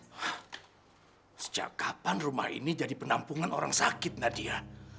hah sejak kapan rumah ini jadi penampungan orang sakit nadia